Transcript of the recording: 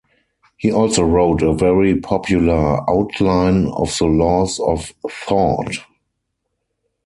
He also wrote a very popular "Outline of the Laws of Thought".